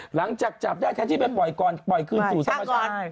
หลังจากจับได้แทนที่ไปปล่อยก่อนปล่อยคืนสู่ธรรมชาติ